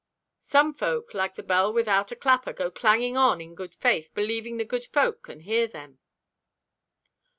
"Some folk, like the bell without a clapper, go clanging on in good faith, believing the good folk can hear them."